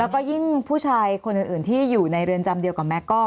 แล้วก็ยิ่งผู้ชายคนอื่นที่อยู่ในเรือนจำเดียวกับแก๊กก็